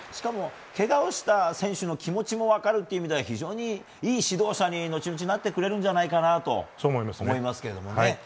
けがをした選手の気持ちが分かるというのは非常にいい指導者に、後々なってくれるんじゃないかなと思いますけどね。